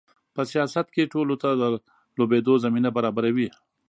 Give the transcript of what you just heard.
په سیاست کې ټولو ته د لوبېدو زمینه برابروي.